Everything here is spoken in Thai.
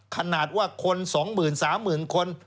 ขนาดว่าคนสองหมื่นสามหมื่นคน